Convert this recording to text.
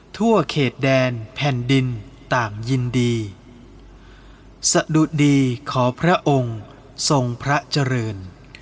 ทั่วเขตแดนแผ่นดินต่างยินดีสะดุดีขอพระองค์ทรงพระเจริญ